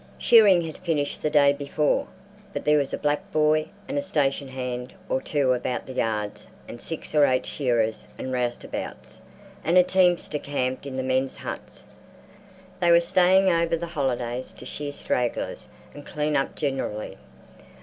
Shearing had finished the day before, but there was a black boy and a station hand or two about the yards and six or eight shearers and rouseabouts, and a teamster camped in the men's huts—they were staying over the holidays to shear stragglers and clean up generally.